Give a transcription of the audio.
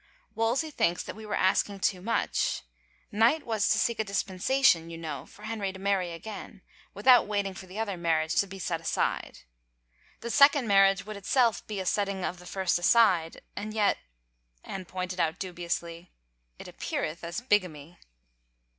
"Wolsey thinks that we were asking too much. Knight was to seek a dispensation, you know, for Henry to marry again, without waiting for the other marriage to be set aside. The second marriage would itself be a setting of the first aside, and yet," Anne pointed out dubiously, " it appeareth as bigamy."